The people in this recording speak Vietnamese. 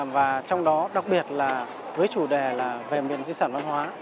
và trong đó đặc biệt là với chủ đề là về miền di sản văn hóa